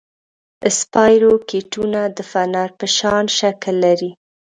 اسپایروکیټونه د فنر په شان شکل لري.